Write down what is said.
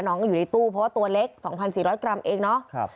น้องก็อยู่ในตู้เพราะว่าตัวเล็ก๒๔๐๐กรัมเองเนาะ